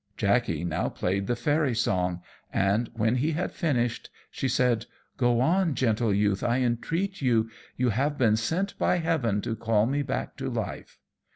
Jackey now played the fairy song; and when he had finished, she said "Go on, gentle Youth, I entreat you. You have been sent by heaven to call me back to life."